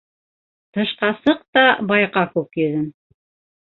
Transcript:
Тышка сыҡ та байҡа күк йөҙөн.